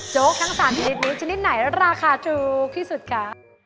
ทั้ง๓ชนิดนี้ชนิดไหนราคาถูกที่สุดคะ